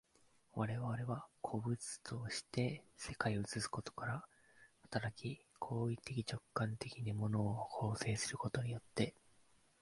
我々は個物として世界を映すことから働き、行為的直観的に物を構成することによって、